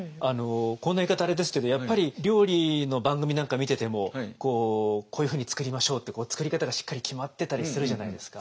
こんな言い方あれですけどやっぱり料理の番組なんか見ててもこういうふうに作りましょうって作り方がしっかり決まってたりするじゃないですか。